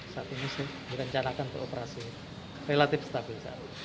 saat ini direncanakan untuk operasi relatif stabil